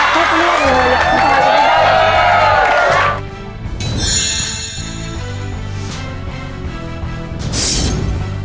ขอบคุณมากครับ